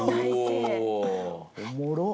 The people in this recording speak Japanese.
おもろっ！